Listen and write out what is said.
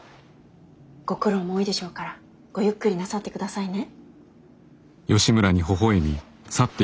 ご苦労も多いでしょうからごゆっくりなさってくださいね。